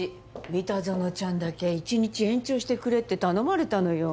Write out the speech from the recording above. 三田園ちゃんだけ１日延長してくれって頼まれたのよ。